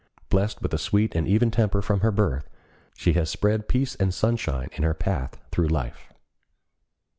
Blessed with a sweet and even temper from her birth, she has spread peace and sunshine in her path through life.